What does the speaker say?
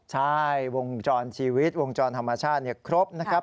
ใช่วงจรชีวิตวงจรธรรมชาติครบนะครับ